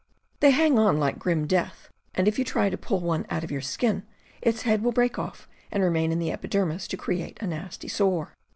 They hang on like grim death, and if you try to pull one out of your skin, its head will break off and remain in the epidermis, to create a nasty sore.